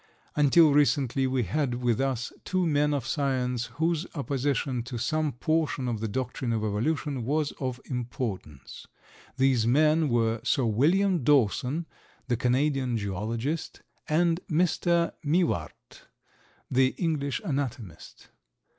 Until recently we had with us two men of science whose opposition to some portion of the doctrine of evolution was of importance. These men were Sir William Dawson, the Canadian geologist, and Mr. Mivart, the English anatomist.